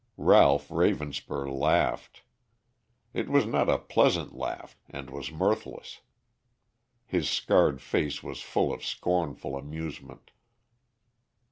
Ralph Ravenspur laughed. It was not a pleasant laugh and was mirthless. His scarred face was full of scornful amusement.